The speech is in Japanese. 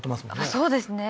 そうですね